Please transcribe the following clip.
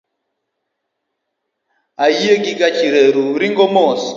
Ayie ni gach reru ringo mos